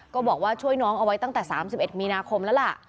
บอกว่าช่วยน้องเอาไว้ตั้งแต่๓๑มีนาคมแล้วล่ะ